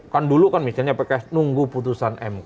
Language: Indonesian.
kan dulu misalnya pkp nunggu putusan mk